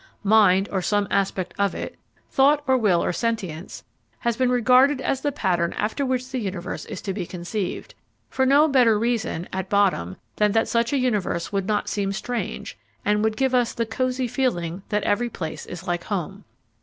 Mind, or some aspect of it thought or will or sentience has been regarded as the pattern after which the universe is to be conceived, for no better reason, at bottom, than that such a universe would not seem strange, and would give us the cosy feeling that every place is like home.